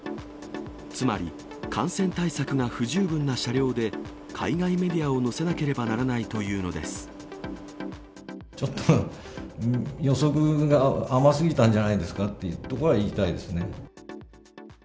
つまり、感染対策が不十分な車両で、海外メディアを乗せなければならちょっと、予測が甘すぎたんじゃないですかっていうところは言いたいですね。